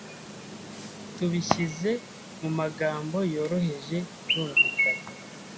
Tubishyize mu magambo yoroheje birumvikana